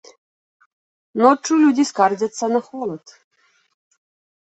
Ноччу людзі скардзяцца на холад.